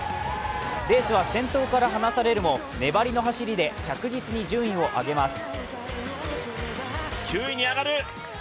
レースは先頭から話される藻、粘りの走りで着実に順位を上げます。